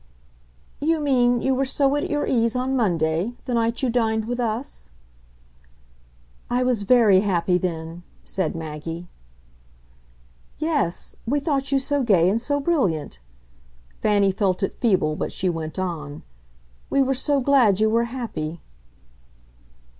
"You mean you were so at your ease on Monday the night you dined with us?" "I was very happy then," said Maggie. "Yes we thought you so gay and so brilliant." Fanny felt it feeble, but she went on. "We were so glad you were happy."